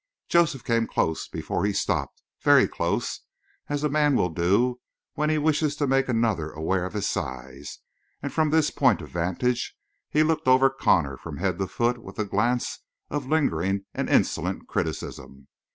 Joseph came close before he stopped very close, as a man will do when he wishes to make another aware of his size, and from this point of vantage, he looked over Connor from head to foot with a glance of lingering and insolent criticism.